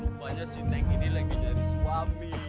lupa aja si neng ini lagi dari suami